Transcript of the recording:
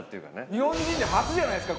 日本人で初じゃないですか